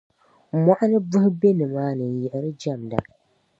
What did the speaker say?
mɔɣu ni buhi be nimaani n-yiɣiri jamda.